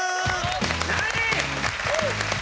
何！